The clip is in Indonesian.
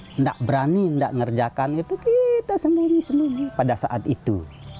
tidak berani tidak ngerjakan itu kita sembunyi sembunyi pada saat itu